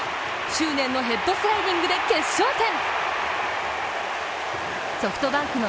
執念のヘッドスライディングで決勝点。